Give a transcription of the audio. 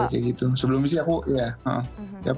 kayak gitu sebelumnya sih aku ya